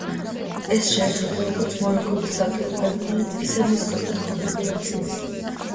ეს შეეხება, როგორც მოლეკულის ცალკეულ კომპონენტს, ისე მის ზოგად კონფიგურაციას.